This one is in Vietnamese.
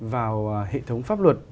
vào hệ thống pháp luật